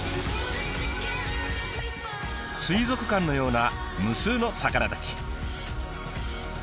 水族館のような無数の魚たち。